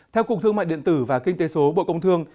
theo cục thương mại điện tử và kinh tế số bộ công thương